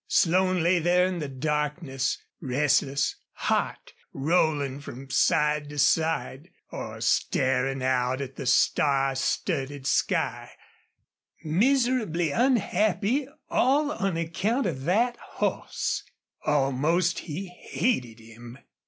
Slone lay there in the darkness, restless, hot, rolling from side to side, or staring out at the star studded sky miserably unhappy all on account of that horse. Almost he hated him.